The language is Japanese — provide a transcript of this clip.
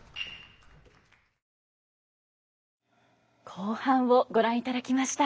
後半をご覧いただきました。